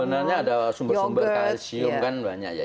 sebenarnya ada sumber sumber kalsium kan banyak ya